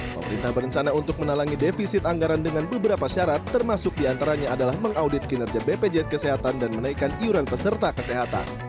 pemerintah berencana untuk menalangi defisit anggaran dengan beberapa syarat termasuk diantaranya adalah mengaudit kinerja bpjs kesehatan dan menaikkan iuran peserta kesehatan